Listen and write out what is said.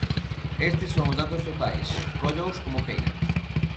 Estes son os datos totais, cóllaos como queira.